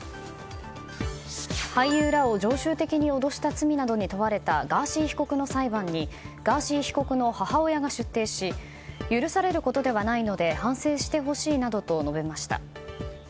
俳優らを常習的に脅した罪などに問われたガーシー被告の裁判にガーシー被告の母親が出廷し許されることではないので反省してほしいなどと述べました。